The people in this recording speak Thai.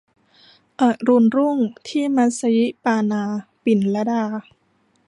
อรุณรุ่งที่มัสยิปานา - ปิ่นลดา